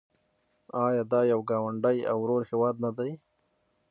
آیا د یو ګاونډي او ورور هیواد نه دی؟